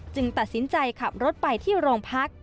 ตัดสินใจขับรถไปที่โรงพัก